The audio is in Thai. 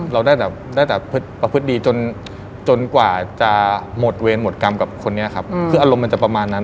เราได้แบบได้แต่ประพฤติดีจนกว่าจะหมดเวรหมดกรรมกับคนนี้ครับคืออารมณ์มันจะประมาณนั้น